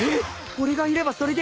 俺がいればそれでいい？